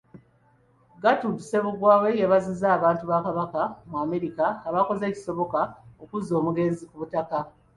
Getrude Ssebuggwawo yeebazizza abantu ba Kabaka mu America abakoze ekisoboka okuzza omugenzi ku butaka.